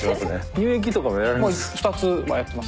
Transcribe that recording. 乳液とかもやられます？